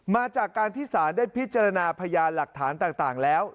มาจากการที่ศาลได้พิจารณาพยานหลักฐานต่างแล้ว